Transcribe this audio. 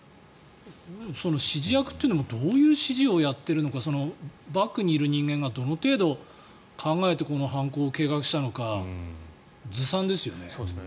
指示役というのもどういう指示をやっているのかバックにいる人間がどの程度考えてこの犯行を計画したのかずさんですよね。